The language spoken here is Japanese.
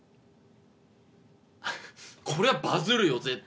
これはバズるよ絶対。